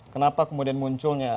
kenapa kemudian munculnya